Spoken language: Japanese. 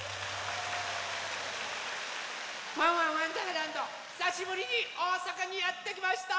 「ワンワンわんだーらんど」ひさしぶりにおおさかにやってきました！